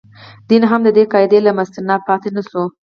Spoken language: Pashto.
دین هم د دې قاعدې له مستثنا پاتې نه شو.